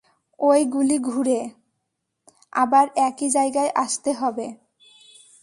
এই গুলি ঘুরে, আবার একই জায়গায় আসতে হবে।